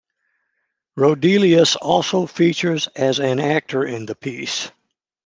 Roedelius also featured as an actor in the piece.